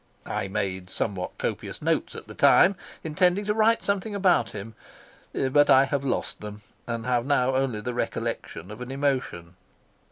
I made somewhat copious notes at the time, intending to write something about him, but I have lost them, and have now only the recollection of an emotion.